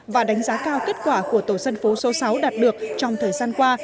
và đánh giá cao kết quả của tổ dân phố số sáu đạt được trong thời gian qua